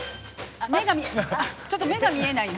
目がちょっと目が見えないな。